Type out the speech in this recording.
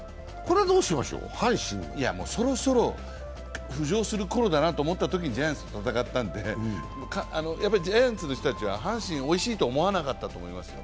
そろそろ浮上する頃だなと思ったときにジャイアンツと戦ったんでジャイアンツの人たちは阪神おいしいと思わなかったと思いますよ。